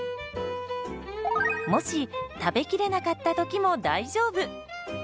もし食べきれなかった時も大丈夫。